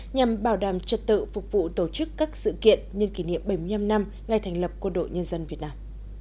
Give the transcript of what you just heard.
nhằm bảo đảm trật tự phục vụ tổ chức các sự kiện nhân kỷ niệm bảy mươi năm năm ngày thành lập quân đội nhân dân việt nam